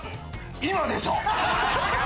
今でしょ！